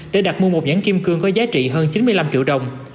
để đặt mua một nhãn kim cương có giá trị hơn chín mươi năm triệu đồng